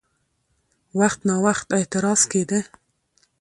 وخت ناوخت اعتراض کېده؛